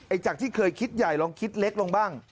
จากที่เคยคิดใหญ่ลองคิดเล็กลงบ้าง